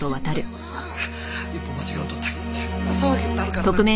一歩間違うと大変な騒ぎになるからな。